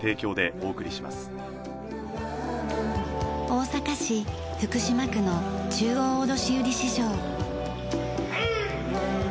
大阪市福島区の中央卸売市場。